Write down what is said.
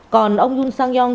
còn ông yoon sang yong